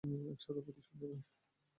একসাথে প্রতিশোধ নিবে?